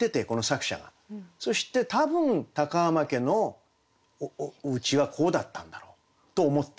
そして多分高浜家のおうちはこうだったんだろうと思ってると。